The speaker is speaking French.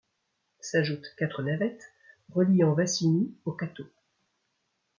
S'ajoutent quatre navettes reliant Wassigny au Cateau.